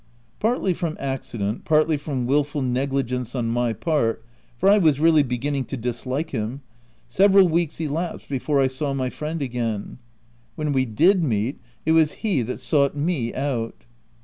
Partly from accident, partly from wilful neg ligence on my part (for I was really beginning to dislike him,) several weeks elapsed before I saw my friend again. When we did meet, it was he that sought me out.